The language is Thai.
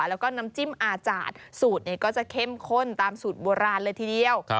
แล้วก็น้ำจิ้มอาจารย์สูตรก็จะเข้มข้นตามสูตรโบราณเลยทีเดียว